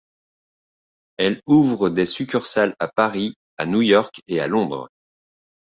Elle ouvre des succursales à Paris, à New-York et à Londres.